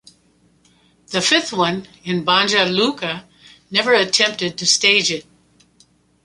The fifth one, in Banja Luka, never attempted to stage it.